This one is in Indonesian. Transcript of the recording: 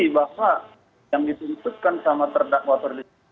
bahwa yang dituntutkan sama terdakwa ferdinand